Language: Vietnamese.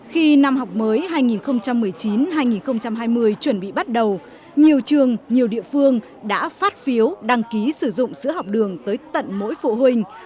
khi năm học mới hai nghìn một mươi chín hai nghìn hai mươi chuẩn bị bắt đầu nhiều trường nhiều địa phương đã phát phiếu đăng ký sử dụng sữa học đường tới tận mỗi phụ huynh